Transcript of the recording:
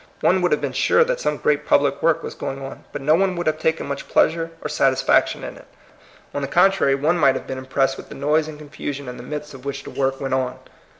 One would have been sure that some great public work was going on, but no one would have taken much pleasure or satisfaction in it. On the contrary, one might have been THE HAPPY LIFE. 199 impressed with the noise and confusion in the midst of which the work went on.